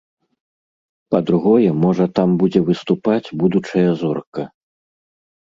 Па-другое, можа, там будзе выступаць будучая зорка.